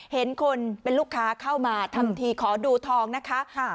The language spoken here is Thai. เห็นคนเป็นลูกค้าเข้ามาทำทีขอดูทองนะคะ